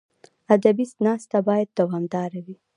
ادبي ناسته باید دوامداره وي.